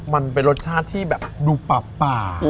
มันเป็นรสชาติที่แบบดูป่า